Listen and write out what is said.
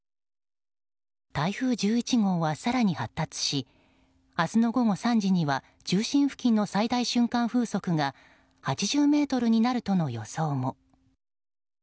台風１１号は更に発達し明日の午後３時には中心付近の最大瞬間風速が８０メートルになるとの予想も。